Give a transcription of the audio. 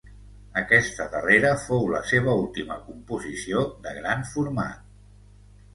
Aquesta darrera fou la seva última composició de gran format.